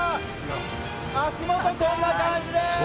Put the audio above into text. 足元、こんな感じです。